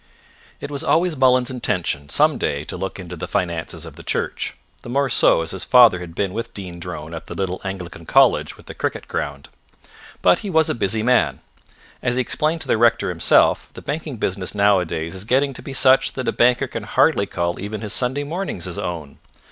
It was always Mullins's intention some day to look into the finances of the church, the more so as his father had been with Dean Drone at the little Anglican college with the cricket ground. But he was a busy man. As he explained to the rector himself, the banking business nowadays is getting to be such that a banker can hardly call even his Sunday mornings his own.